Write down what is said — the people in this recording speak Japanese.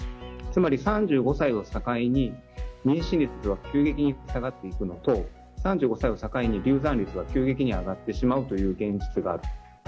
つまり３５歳を境に妊娠率は急激に下がっていくのと３５歳を境に流産率が急激に上がってしまうという現実がある。